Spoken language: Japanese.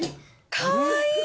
かわいい！